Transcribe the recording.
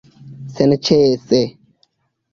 Senĉese!